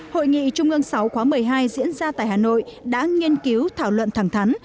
hội nghị trung ương sáu khóa một mươi hai diễn ra tại hà nội đã nghiên cứu thảo luận thẳng thắn